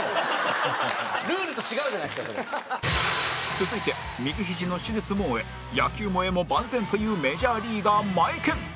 続いて右ひじの手術も終え野球も絵も万全というメジャーリーガーマエケン